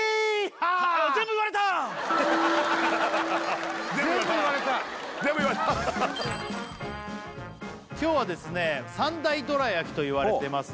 全部言われた全部言われた今日はですね三大どら焼きといわれてますね